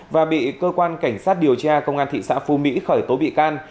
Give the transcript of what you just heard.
và bị cơ quan cảnh sát điều tra công an thị xã phú mỹ khởi tố bị can